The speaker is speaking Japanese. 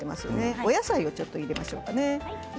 お野菜も入れましょうかね。